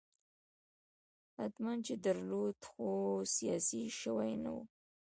حتماً یې درلود خو سیاسي شوی نه و.